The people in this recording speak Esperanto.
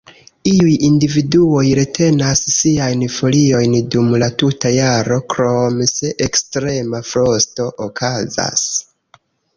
Iuj individuoj retenas siajn foliojn dum la tuta jaro, krom se ekstrema frosto okazas.